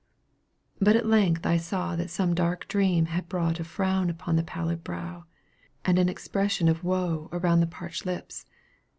But at length I saw that some dark dream had brought a frown upon the pallid brow, and an expression of woe around the parched lips.